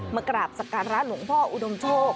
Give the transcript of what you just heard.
มากราบศักดิ์รัฐหลวงพ่ออุดมโชค